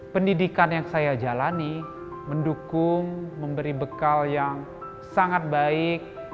pendidikan yang saya jalani mendukung memberi bekal yang sangat baik